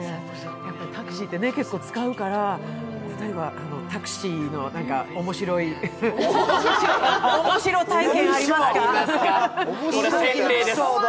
タクシーって結構使うから、２人はタクシーの面白体験ありますか？